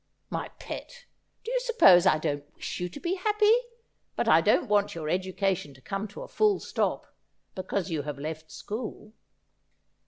' My pet, do you suppose I don't wish you to be happy ? But I don't want your education to come to a full stop, because you have left school.'